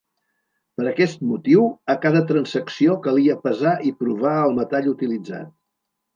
Per aquest motiu, a cada transacció calia pesar i provar el metall utilitzat.